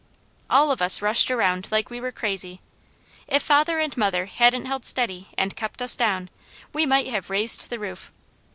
All of us rushed around like we were crazy. If father and mother hadn't held steady and kept us down, we might have raised the roof.